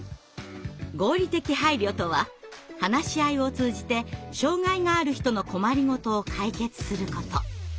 合理的配慮とは話し合いを通じて障害がある人の困りごとを解決すること。